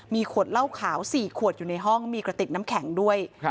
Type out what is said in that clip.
มีขวดเหล้าขาว๔ขวดอยู่ในห้องมีกระติกน้ำแข็งด้วย